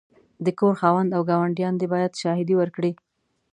د کور خاوند او ګاونډیان دي باید شاهدې ورکړې.